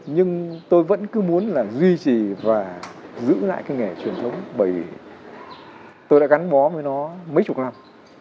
nhưng tôi vẫn cứ muốn là duy trì và giữ lại cái nghề truyền thống bởi tôi đã gắn bó với nó mấy chục năm